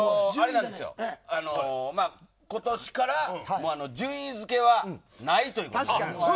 今年から順位づけはないという。